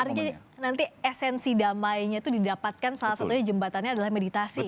artinya nanti esensi damainya itu didapatkan salah satunya jembatannya adalah meditasi